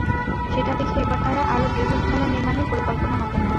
সেটা দেখে এবার তাঁরা আরও বৃহৎ ভেলা নির্মাণের পরিকল্পনা হাতে নেন।